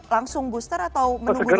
langsung booster atau menunggu dulu